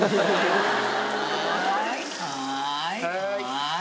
はい。